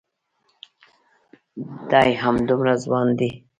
دای همدومره ځوان و.